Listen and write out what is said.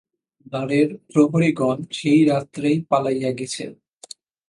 দ্বারের প্রহরীগণ সেই রাত্রেই পালাইয়া গেছে।